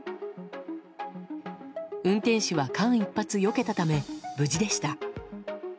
運転手は間一髪よけたため無事でした。